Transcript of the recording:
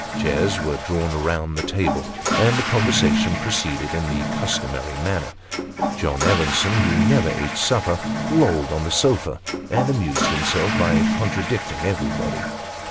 Chairs were drawn round the table, and the conversation proceeded in the customary manner. John Evenson, who never ate supper, lolled on the sofa, and amused himself by contradicting everybody.